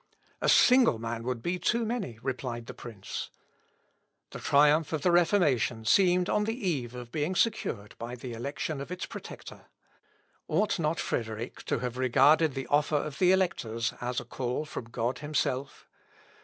"A single man would be too many," replied the prince. The triumph of the Reformation seemed on the eve of being secured by the election of its protector. Ought not Frederick to have regarded the offer of the electors as a call from God himself?